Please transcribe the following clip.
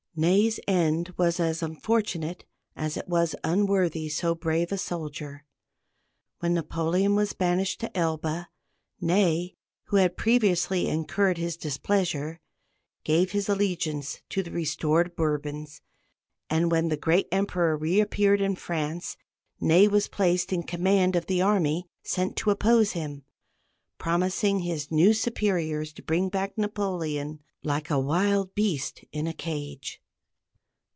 Ney's end was as unfortunate as it was unworthy so brave a soldier. When Napoleon was banished to Elba, Ney, who had previously incurred his displeasure, gave his allegiance to the restored Bourbons, and when the great Emperor re appeared in France, Ney was placed in command of the army sent to oppose him, promising his new superiors to bring back Napoleon "like a wild beast in a cage."